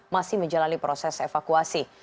masih menjalani proses evakuasi